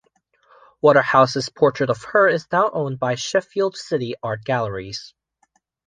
Waterhouse's portrait of her is now owned by Sheffield City Art Galleries.